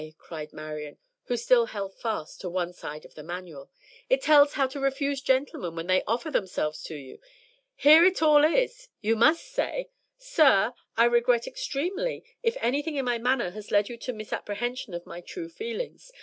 cried Marian, who still held fast to one side of the Manual. "It tells how to refuse gentlemen when they offer themselves to you. Here it all is. You must say, "'SIR, I regret extremely if anything in my manner has led to a misapprehension of my true feelings.